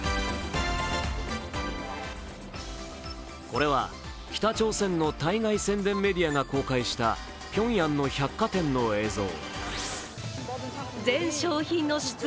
これは北朝鮮の対外宣伝メディアが公開したピョンヤンの百貨店の映像。